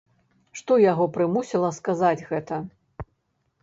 Што яго прымусіла сказаць гэта?